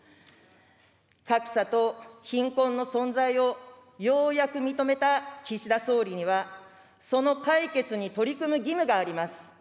格差と貧困の存在をようやく認めた岸田総理には、その解決に取り組む義務があります。